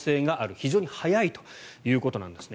非常に速いということなんですね。